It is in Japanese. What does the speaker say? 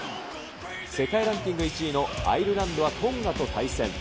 世界ランキング１位のアイルランドはトンガと対戦。